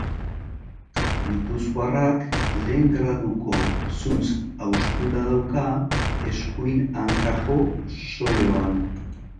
Gipuzkoarrak lehen graduko zuntz-haustura dauka eskuin hankako soleoan.